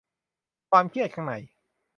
ความเครียดข้างใน